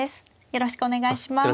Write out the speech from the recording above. よろしくお願いします。